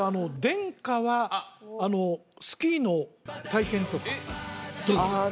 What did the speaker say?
殿下はスキーの体験とかどうですか？